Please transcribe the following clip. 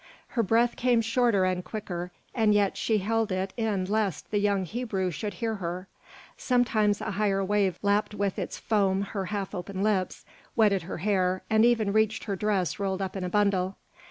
Her breath came shorter and quicker, and yet she held it in lest the young Hebrew should hear her. Sometimes a higher wave lapped with its foam her half open lips, wetted her hair, and even reached her dress rolled up in a bundle.